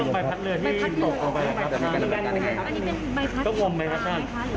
อยากทำลายของแทน